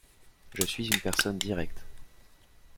Je suis une personne directe.